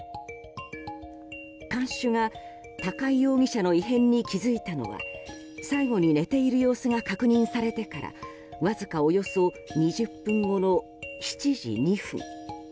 看守が高井容疑者の異変に気付いたのは最後に寝ている様子が確認されてからわずかおよそ２０分後の７時２分。